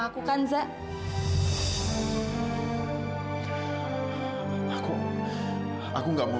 kamu entar saja